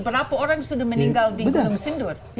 berapa orang sudah meninggal tinggal mesin dur